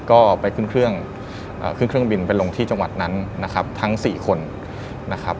ก็ไปขึ้นเครื่องขึ้นเครื่องบินไปลงที่จังหวัดนั้นนะครับทั้ง๔คนนะครับ